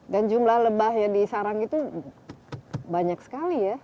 dan jumlah lebah yang disarang itu banyak sekali ya